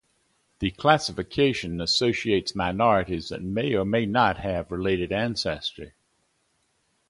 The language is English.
The classification associates minorities that may or may not have related ancestry.